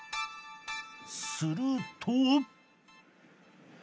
すると。